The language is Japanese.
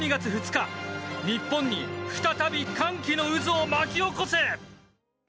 日本に再び歓喜の渦を巻き起こせ！